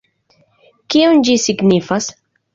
Kion ĝi signifas?